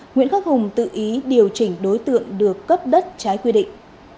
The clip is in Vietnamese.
nguyễn khắc hùng tự ý điều chỉnh đối tượng được cấp đất trái quy định